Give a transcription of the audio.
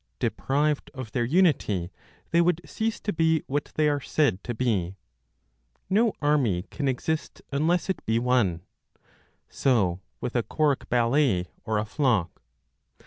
Deprived of their unity, they would cease to be what they are said to be. No army can exist unless it be one. So with a choric ballet or a flock.